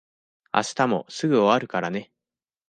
明日もすぐ終わるからね。